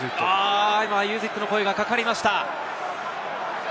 今ユーズイットの声がかかりました。